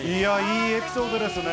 いいエピソードですね。